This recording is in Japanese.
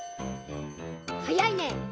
はやいね！